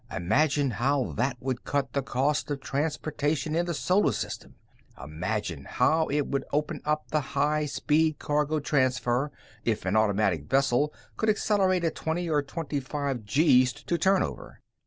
Imagine how that would cut the cost of transportation in the Solar System! Imagine how it would open up high speed cargo transfer if an automatic vessel could accelerate at twenty or twenty five gees to turnover!"